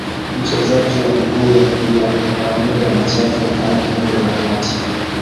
Mchezaji wa mguu ya kulia, mara nyingi anacheza kama kiungo wa kati.